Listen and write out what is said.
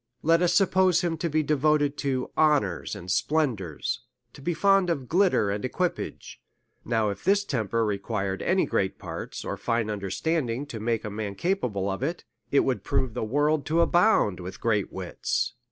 Let us suppose him to be devoted to honours and splendours, to be fond of glitter and equipage ; now if this temper re quired any great parts or fine understanding to make a man capable of it, it would prove the world to abound with great wits.